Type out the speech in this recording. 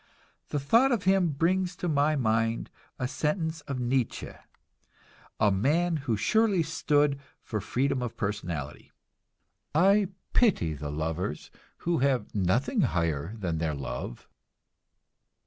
The thought of him brings to my mind a sentence of Nietzsche a man who surely stood for freedom of personality: "I pity the lovers who have nothing higher than their love."